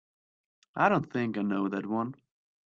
I don't think I know that one.